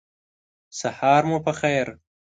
سهار مو په خیر !